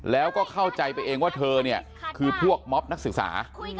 แล้วก็เข้าใจไปเองว่าเธอเนี่ยคือพวกม็อบนักศึกษา